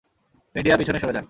Media পিছনে সরে যান!